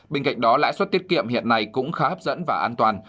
bên cạnh đó lãi suất tiết kiệm hiện nay cũng khá hấp dẫn và an toàn